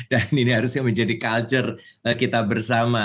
dan ini harusnya menjadi culture kita bersama